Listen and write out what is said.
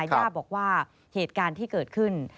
ย่าบอกว่าเหตุการณ์ที่เกิดขึ้น